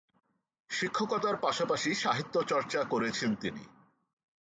শিক্ষকতার পাশাপাশি সাহিত্যচর্চা করেছেন তিনি।